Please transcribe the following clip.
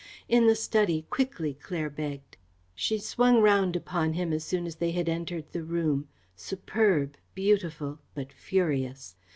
"In the study, quickly," Claire begged. She swung round upon him as soon as they had entered the room superb, beautiful but furious.